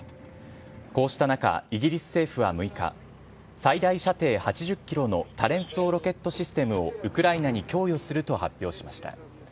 こうした中、イギリス政府は６日、最大射程８０キロの多連装ロケットシステムをウクライナに供与すると発表しました。